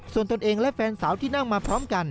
ส่วนตนเองและแฟนสาวที่นั่งมาพร้อมกัน